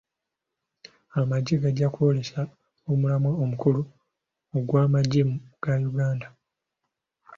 Amagye gajja kwolesa omulamwa omukulu ogw'amagye ga Uganda.